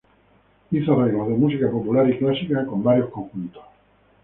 Hizo arreglos de música popular y clásica con varios conjuntos.